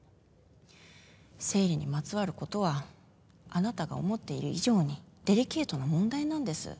生理にまつわることはあなたが思っている以上にデリケートな問題なんです。